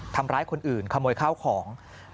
ทำร้ายคนอื่นขโมยข้าวของ